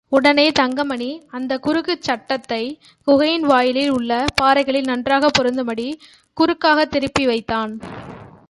உடனே தங்கமணி அந்தக் குறுக்குச் சட்டத்தைக் குகையின் வாயிலில் உள்ள பாறைகளில் நன்றாகப் பொருந்தும்படி குறுக்காகத் திருப்பி வைத்தான்.